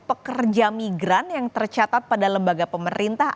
pekerja migran yang tercatat pada lembaga pemerintah